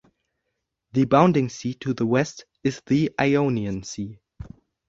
The bounding sea to the West is the Ionian Sea.